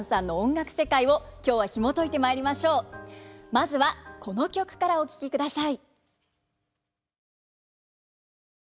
まずはこの曲からお聴きください。